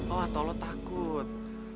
oh atau lo takut